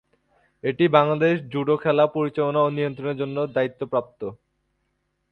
এটি বাংলাদেশে জুডো খেলা পরিচালনা ও নিয়ন্ত্রণের জন্য দায়িত্বপ্রাপ্ত।